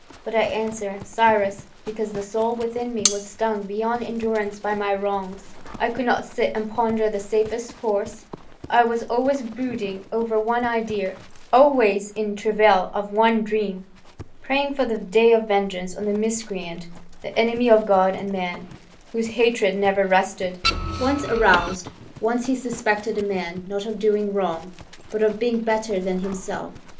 But I answer, Cyrus, because the soul within me was stung beyond endurance by my wrongs; I could not sit and ponder the safest course, I was always brooding over one idea, always in travail of one dream, praying for the day of vengeance on the miscreant, the enemy of God and man, whose hatred never rested, once aroused, once he suspected a man, not of doing wrong, but of being better than himself.